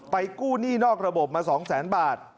ไปกู้หนี้นอกระบบมา๒๐๐๐๐๐บาท